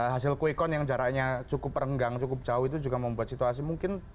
hasil quick count yang jaraknya cukup renggang cukup jauh itu juga membuat situasi mungkin